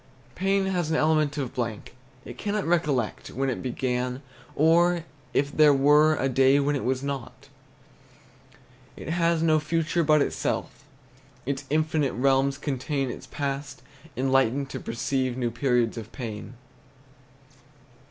Pain has an element of blank; It cannot recollect When it began, or if there were A day when it was not. It has no future but itself, Its infinite realms contain Its past, enlightened to perceive New periods of pain.